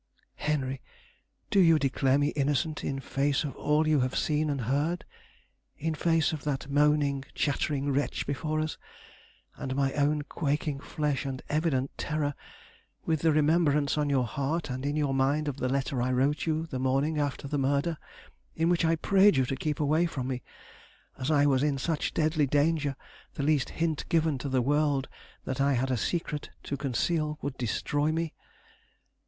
Henry, do you declare me innocent in face of all you have seen and heard; in face of that moaning, chattering wretch before us, and my own quaking flesh and evident terror; with the remembrance on your heart and in your mind of the letter I wrote you the morning after the murder, in which I prayed you to keep away from me, as I was in such deadly danger the least hint given to the world that I had a secret to conceal would destroy me?